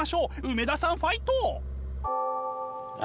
梅田さんファイト！